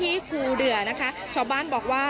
ทุกคนมีความสุขครับได้รับเงินเพราะว่าเขารอมานานแล้วนะครับ